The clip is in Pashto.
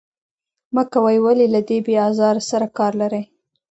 مه کوئ، ولې له دې بې آزار سره کار لرئ.